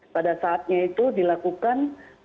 pada saatnya itu dilakukan